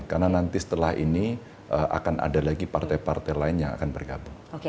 karena nanti setelah ini akan ada lagi partai partai lain yang akan bergabung